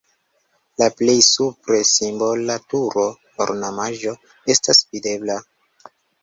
La plej supre simbola turo (ornamaĵo) estas videbla.